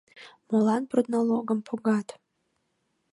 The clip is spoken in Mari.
«Молан продналогым погат?